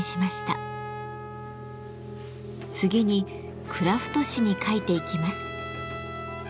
次にクラフト紙に描いていきます。